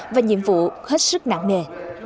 và nhiệm vụ hết sức nặng nề